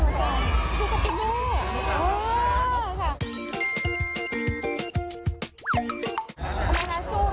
สู้ข้อน